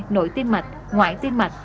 nội tiêm mạch ngoại tiêm mạch